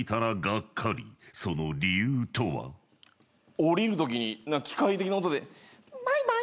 降りるときに機械的な音で。